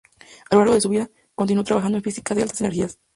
A lo largo de su vida, continuó trabajando en física de altas energías.